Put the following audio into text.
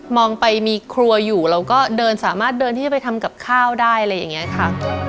องไปมีครัวอยู่เราก็เดินสามารถเดินที่จะไปทำกับข้าวได้อะไรอย่างนี้ค่ะ